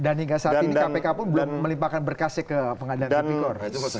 dan hingga saat ini kpk pun belum melimpahkan berkasih ke pengadilan kpk